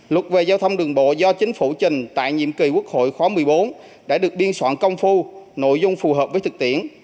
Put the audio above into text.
luật về giao thông đường bộ do chính phủ trình tại nhiệm kỳ quốc hội khóa một mươi bốn đã được biên soạn công phu nội dung phù hợp với thực tiễn